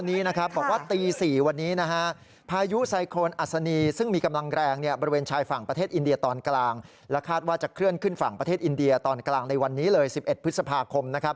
ในวันนี้สิบเอ็ดพฤษภาคม